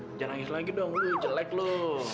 jangan nangis lagi dong wuih jelek lo